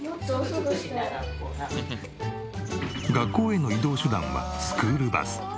学校への移動手段はスクールバス。